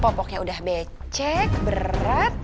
popoknya udah becek berat